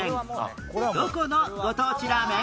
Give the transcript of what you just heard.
どこのご当地ラーメン？